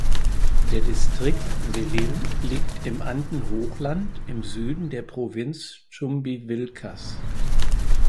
Der Distrikt Velille liegt im Andenhochland im Süden der Provinz Chumbivilcas.